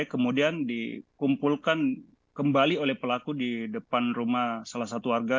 kemudian dikumpulkan kembali oleh pelaku di depan rumah salah satu warga